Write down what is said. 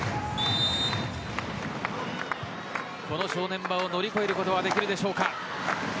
この正念場を、乗り越えることはできるでしょうか。